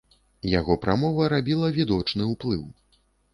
Яго прамова рабіла відочны ўплыў.